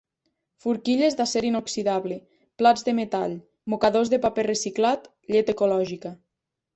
Forquilles d'acer inoxidable, Plats de metall, mocadors de paper reciclat, llet ecològica.